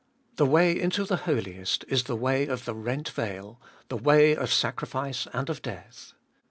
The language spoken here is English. The way into the Holiest is the way of the rent veil, the way of sacrifice and of death.